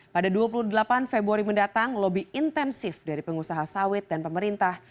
pada dua puluh delapan februari mendatang lobby intensif dari pengusaha sawit dan pemerintah